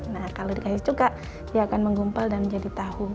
nah kalau dikasih cuka dia akan menggumpal dan menjadi tahu